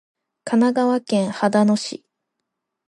神奈川県秦野市